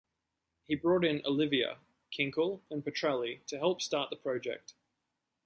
He brought in Oliva, Kinkel, and Pitrelli to help start the project.